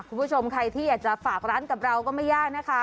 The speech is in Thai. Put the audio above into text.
คุณผู้ชมใครที่อยากจะฝากร้านกับเราก็ไม่ยากนะคะ